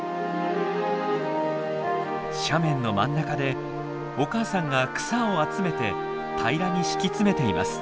斜面の真ん中でお母さんが草を集めて平らに敷き詰めています。